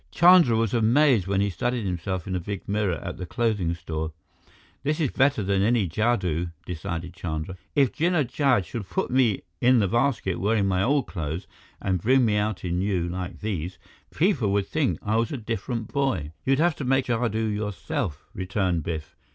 Chandra was amazed when he studied himself in a big mirror at the clothing store. "This is better than any jadoo," decided Chandra. "If Jinnah Jad should put me in the basket wearing my old clothes and bring me out in new, like these, people would think I was a different boy." "You'd have to make jadoo yourself," returned Biff.